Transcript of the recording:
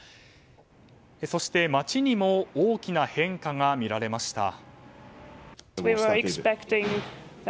そして、街にも大きな変化が見られました。